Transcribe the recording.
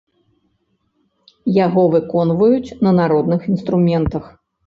Яго выконваюць на народных інструментах.